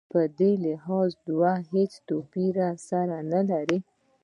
په دې لحاظ دوی هېڅ توپیر سره نه لري.